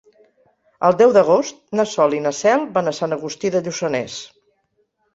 El deu d'agost na Sol i na Cel van a Sant Agustí de Lluçanès.